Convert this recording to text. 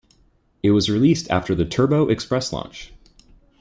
It was released after the TurboExpress launch.